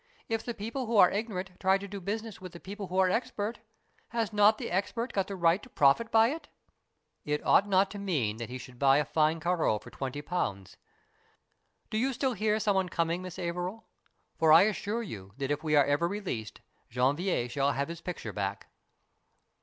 If the people who are ignorant try to do business with the people who are expert, has not the expert got the right to profit by it?" "It ought not to mean that he should buy a fine Corot for twenty pounds. Do you still hear some one coming, Miss Averil ? For I assure you that if we are ever released Janvier shall have his picture back."